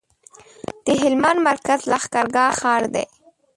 د هلمند مرکز لښکرګاه ښار دی